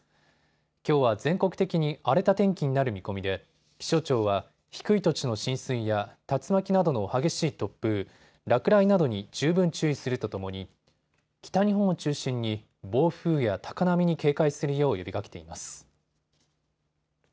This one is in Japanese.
きょうは全国的に荒れた天気になる見込みで気象庁は低い土地の浸水や竜巻などの激しい突風、落雷などに十分注意するとともに北日本を中心に暴風や高波に警戒するよう呼びかけています。